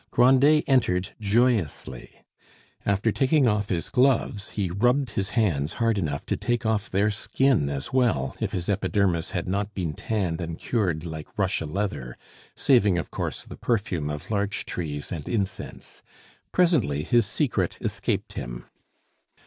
Grandet entered joyously. After taking off his gloves, he rubbed his hands hard enough to take off their skin as well, if his epidermis had not been tanned and cured like Russia leather, saving, of course, the perfume of larch trees and incense. Presently his secret escaped him.